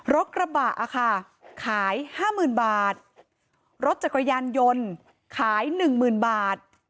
รถกระบะขาย๕๐๐๐๐บาทรถจักรยานยนต์ขาย๑๐๐๐๐บาท